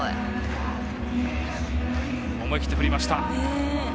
思い切って振りました。